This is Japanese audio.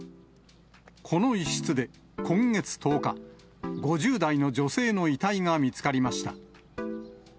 この一室で、今月１０日、５０代の女性の遺体が見つかりました。